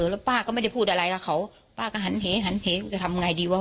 แล้วป้าก็ไม่ได้พูดอะไรกับเขาป้าก็หันเหหันเหจะทำไงดีวะ